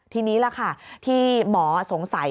ทีนี้ล่ะค่ะที่หมอสงสัย